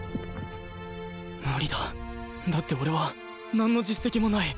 無理だだって俺はなんの実績もない